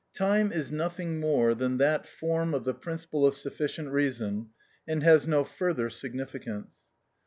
Time is nothing more than that form of the principle of sufficient reason, and has no further significance.